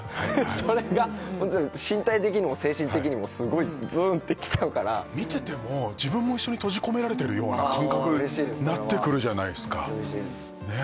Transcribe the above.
それが身体的にも精神的にもすごいズーンってきちゃうから見てても自分も一緒に閉じ込められてるような感覚になってくるじゃないですかああ嬉しいですそれはねえ